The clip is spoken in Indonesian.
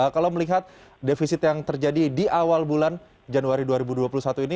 kalau melihat defisit yang terjadi di awal bulan januari dua ribu dua puluh satu ini